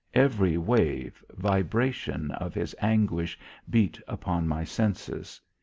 Every wave, vibration, of his anguish beat upon my senses.